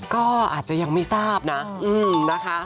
ก็อาจจะยังไม่ทราบนะนะคะ